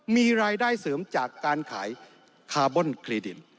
มีรายได้เสริมจากการขายคาร์บอนคลีดิน